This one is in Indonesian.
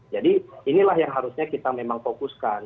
jadi inilah yang harusnya kita memang fokuskan